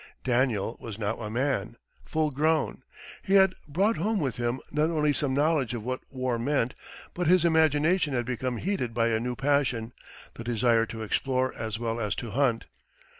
Daniel was now a man, full grown. He had brought home with him not only some knowledge of what war meant, but his imagination had become heated by a new passion the desire to explore as well as to hunt.